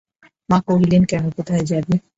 মা কহিলেন, কেন, কোথায় যাবি।